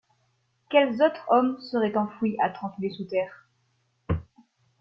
Quels autres hommes seraient enfouis à trente lieues sous terre?